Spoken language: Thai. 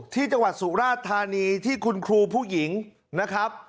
ที่จังหวัดสุราธานีที่คุณครูผู้หญิงนะครับ